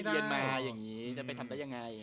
เรียนมาอย่างนี้จะไปทำได้ยังไง